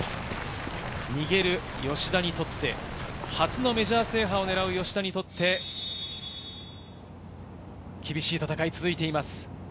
逃げる吉田にとって、初のメジャー制覇を狙う吉田にとって、厳しい戦いが続いています。